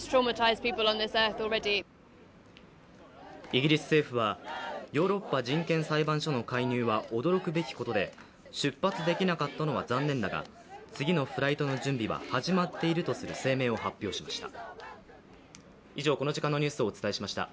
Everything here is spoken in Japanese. イギリス政府はヨーロッパ人権裁判所の介入は驚くべきことで出発できなかったのは残念だが次のフライトの準備は始まっているとする声明を発表しました。